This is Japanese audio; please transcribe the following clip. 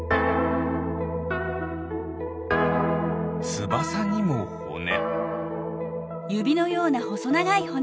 つばさにもほね。